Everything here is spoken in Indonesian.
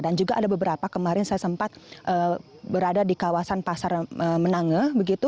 dan juga ada beberapa kemarin saya sempat berada di kawasan pasar menange